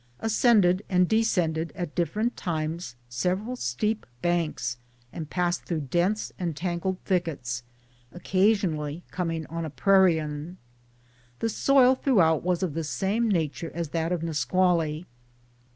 Ascended and de scended at different times several steep banks and passed through dense and tangled thickets, occasionally coming on a prairion. The soil throughout was of the same nature as that of Nusqually.